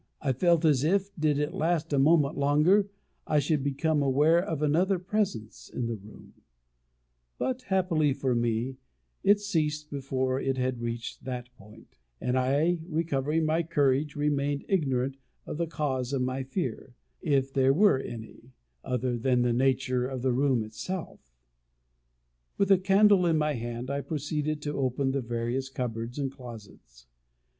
I felt as if, did it last a moment longer, I should become aware of another presence in the room; but, happily for me, it ceased before it had reached that point; and I, recovering my courage, remained ignorant of the cause of my fear, if there were any, other than the nature of the room itself. With a candle in my hand, I proceeded to open the various cupboards and closets.